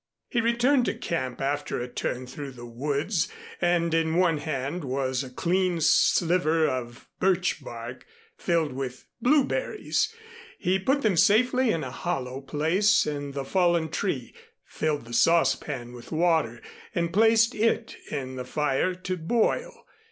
He returned to camp after a turn through the woods, and in one hand was a clean sliver of birch bark, filled with blueberries. He put them safely in a hollow place in the fallen tree, filled the saucepan with water and placed it in the fire to boil.